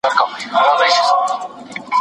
کیمیاوي توکي د وېښتو رغونه مرسته کوي.